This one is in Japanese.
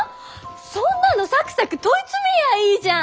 そんなのサクサク問い詰めりゃいいじゃん！